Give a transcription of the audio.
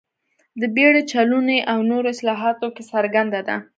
د بېړۍ چلونې او نورو اصلاحاتو کې څرګنده ده.